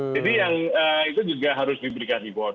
jadi itu juga harus diberikan reward